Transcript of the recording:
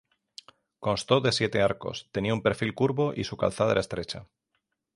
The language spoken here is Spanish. Constó de siete arcos, tenía un perfil curvo y su calzada era estrecha.